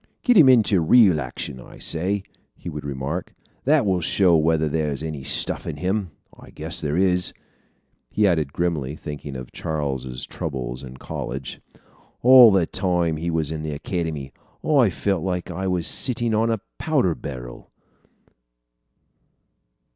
"Get him into real action, I say," he would remark. "That will show whether there's any stuff in him. I guess there is," he added grimly, thinking of Charles's troubles in college. "All the time he was in the Academy, I felt like I was sitting on a powder barrel."